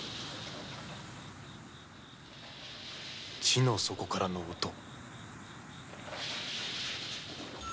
地の底からの音。